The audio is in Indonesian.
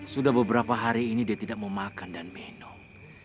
sudah beberapa hari ini dia tidak mau makan dan minum